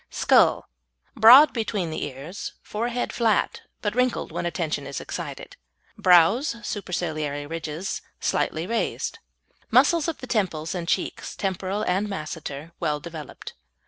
SKULL Broad between the ears, forehead flat, but wrinkled when attention is excited. Brows (superciliary ridges) slightly raised. Muscles of the temples and cheeks (temporal and masseter) well developed.